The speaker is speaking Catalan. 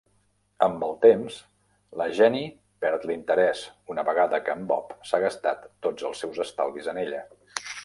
Amb el temps, la Jenny perd l'interès una vegada que en Bob s'ha gastat tots els seus estalvis en ella.